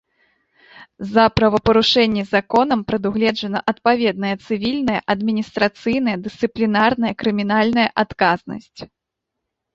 За правапарушэнні законам прадугледжана адпаведная цывільная, адміністрацыйная, дысцыплінарная, крымінальная адказнасць.